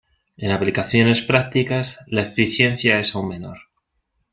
En aplicaciones prácticas, la eficiencia es aun menor.